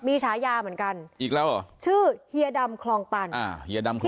มีฉายาเหมือนกันอีกแล้วเหรอชื่อเฮียดำคลองตันอ่าเฮียดำคลอง